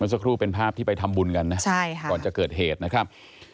สักครู่เป็นภาพที่ไปทำบุญกันนะใช่ค่ะก่อนจะเกิดเหตุนะครับ